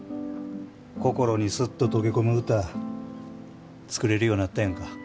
心にスッと溶け込む歌作れるようなったやんか。